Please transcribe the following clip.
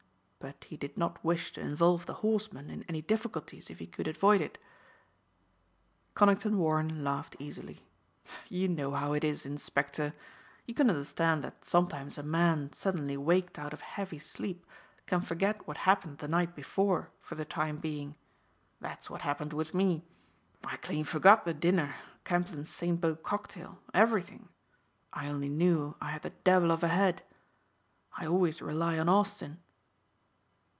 But he did not wish to involve the horseman in any difficulties if he could avoid it. Conington Warren laughed easily. "You know how it is, inspector. You can understand that sometimes a man suddenly waked out of heavy sleep can forget what happened the night before for the time being. That's what happened with me. I clean forgot the dinner, Camplyn's Saint Beau cocktail, everything. I only knew I had the devil of a head. I always rely on Austin."